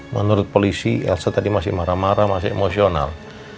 menurut polisi elsa tadi masih marah marah masih emosional